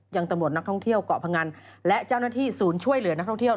ยังตำรวจนักท่องเที่ยวเกาะพงันและเจ้าหน้าที่ศูนย์ช่วยเหลือนักท่องเที่ยว